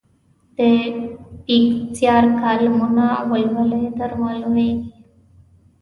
د بېکسیار کالمونه ولولئ درمعلومېږي.